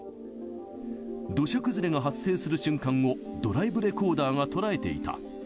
土砂崩れが発生する瞬間を、ドライブレコーダーが捉えていた。